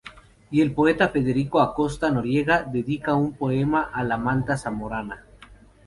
Y el poeta Federico Acosta Noriega dedica un poema a la manta zamorana.